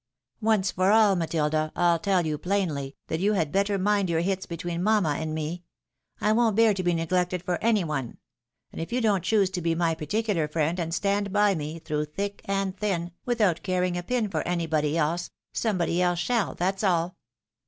Once for all, Matilda, I'U tell you plainly, that you had better mind your hits between mamma and me. I won't bear to be neglected for any one ; and if you don't choose to be my particular friend, and stand by me, through thick and thin, without caring a pin for anybody else, somebody, else shall, that's all.